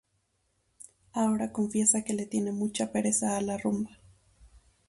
Ahora confiesa que le tiene mucha pereza a la rumba.